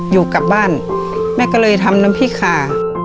อยู่กลับบ้านแม่ก็เลยทำน้ำพริกขา